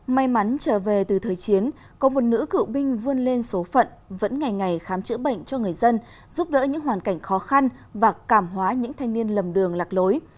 may mắn trở về từ thời chiến có một nữ cựu binh vươn lên số phận vẫn ngày ngày khám chữa bệnh cho người dân giúp đỡ những hoàn cảnh khó khăn và cảm hóa những thanh niên lầm đường lạc lối